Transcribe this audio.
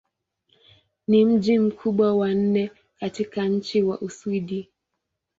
Ni mji mkubwa wa nne katika nchi wa Uswidi.